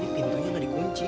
ini pintunya gak dikunci